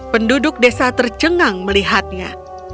penduduk desa tercengang melihatnya